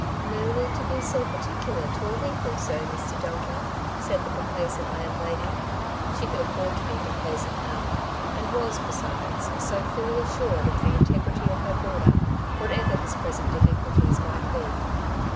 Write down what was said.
" No need to be so particular to a week or so, Mr. Delta,'' said the complaisant landlady. She could afford to be complaisant now, and was besides so fully assured of the integrity of her boarder, what ever his present diflSculties might be.